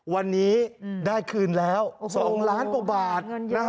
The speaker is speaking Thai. วันนี้ได้คืนแล้ว๒ล้านกว่าบาท